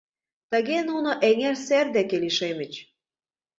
Тыге нуно эҥер сер деке лишемыч.